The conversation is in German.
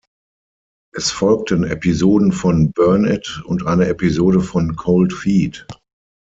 Es folgten Episoden von "Burn It" und eine Episode von "Cold Feet".